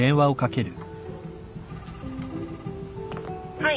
はい。